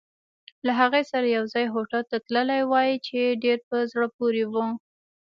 له هغې سره یوځای هوټل ته تللی وای، چې ډېر په زړه پورې وو.